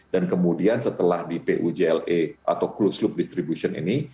dan kemudian setelah di pujla atau closed loop distribution ini